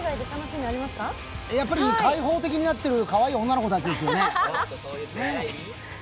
やっぱり開放的になってるかわいい女の子たちですよね。